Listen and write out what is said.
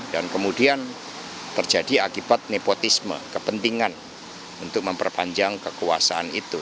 dan kemudian terjadi akibat nepotisme kepentingan untuk memperpanjang kekuasaan itu